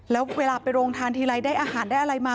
แล้วเวลาไปโรงทานทีไรได้อาหารได้อะไรมา